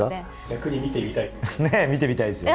逆に見てみたい。